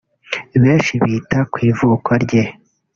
benshi bita ku ivuko rye